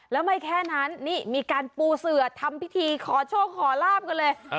แล้วไม่แค่นั้นนี่มีการปูเสือทำพิธีขอโชคขอลาบกันเลย